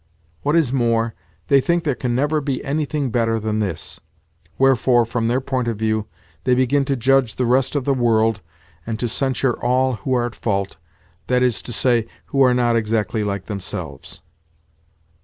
What is more; they think there can never be anything better than this; wherefore, from their point of view they begin to judge the rest of the world, and to censure all who are at fault—that is to say, who are not exactly like themselves.